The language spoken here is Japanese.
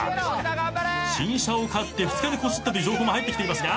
新車を買って２日でこすったという情報も入ってきていますが。